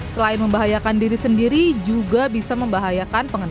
selain membahayakan diri sendiri juga bisa membahayakan pengguna